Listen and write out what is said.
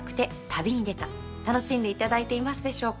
楽しんでいただいていますでしょうか？